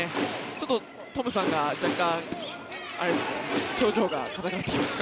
ちょっとトムさんが若干表情が硬くなってきましたね。